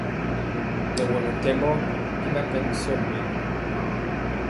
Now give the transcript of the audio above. Nɛ wɔ nɛ ntɛmbɔɔ bi na kɛ mison mɛnɔ.